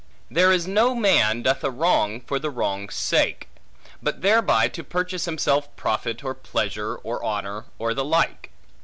There is no man doth a wrong, for the wrong's sake; but thereby to purchase himself profit, or pleasure, or honor, or the like.